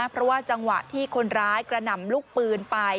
เพราะว่าจังหวะที่คนร้ายกระหน่ำลูกปืนไป